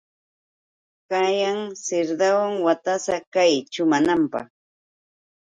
Kayan sirdawan watasa chay chumananpaq.